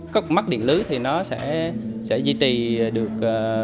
khi có mắc điện năng của lưới nó sẽ di tì được